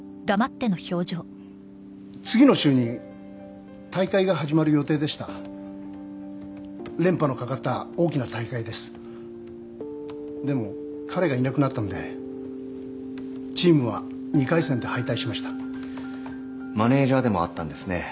次の週に大会が始まる予定でした連覇の懸かった大きな大会ですでも彼がいなくなったんでチームは２回戦で敗退しましたマネージャーでもあったんですね